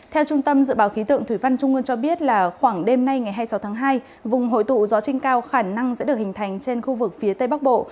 theo trung tâm dự báo khí tượng thủy văn trung ương cho biết là khoảng đêm nay ngày hai mươi sáu tháng hai vùng hội tụ gió trên cao khả năng sẽ được hình thành trên khu vực phía tây bắc bộ